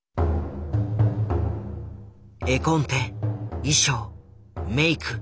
絵コンテ衣装メイク